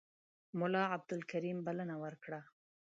ملا عبدالکریم بلنه ورکړه.